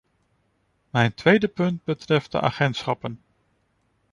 Mijn tweede punt betreft de agentschappen.